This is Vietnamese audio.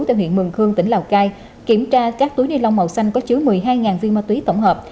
tại huyện mường khương tỉnh lào cai kiểm tra các túi ni lông màu xanh có chứa một mươi hai viên ma túy tổng hợp